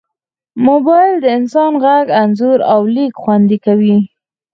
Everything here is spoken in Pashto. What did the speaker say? موبایل د انسان غږ، انځور، او لیک خوندي کوي.